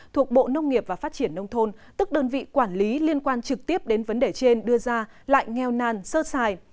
thuộc bộ nông nghiệp và phát triển nông thôn tức đơn vị quản lý liên quan trực tiếp đến vấn đề trên đưa ra lại nghèo nàn sơ xài